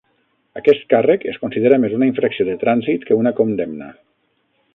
Aquest càrrec es considera més una infracció de trànsit que una condemna.